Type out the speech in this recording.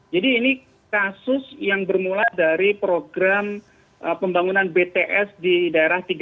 jadi ini kasus yang bermula dari program pembangunan bts di daerah tiga t